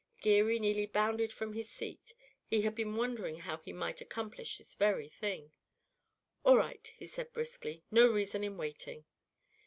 Geary nearly bounded from his seat. He had been wondering how he might accomplish this very thing. "All right," he said briskly, "no reason in waiting."